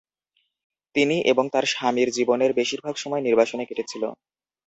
তিনি এবং তাঁর স্বামীর জীবনের বেশিরভাগ সময় নির্বাসনে কেটেছিল।